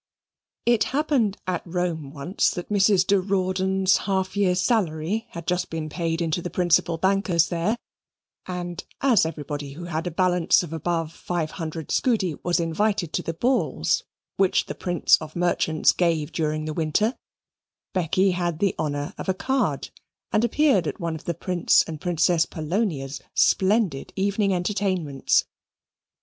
It happened at Rome once that Mrs. de Rawdon's half year's salary had just been paid into the principal banker's there, and, as everybody who had a balance of above five hundred scudi was invited to the balls which this prince of merchants gave during the winter, Becky had the honour of a card, and appeared at one of the Prince and Princess Polonia's splendid evening entertainments.